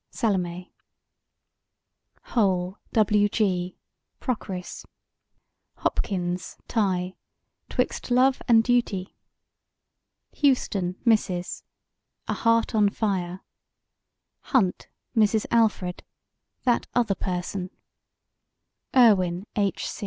Salome HOLE, W. G.: Procris HOPKINS, TIGHE: 'Twixt Love and Duty HOUSTON, MRS.: A Heart on Fire HUNT, MRS. ALFRED: That Other Person IRWIN, H.